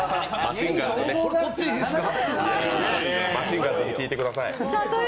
いやぁ、マシンガンズに聞いてください。